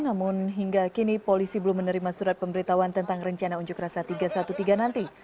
namun hingga kini polisi belum menerima surat pemberitahuan tentang rencana unjuk rasa tiga ratus tiga belas nanti